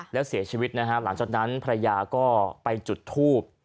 แล้วเสียชีวิตนะฮะหลังจากนั้นภรรยาก็ไปจุดทูบ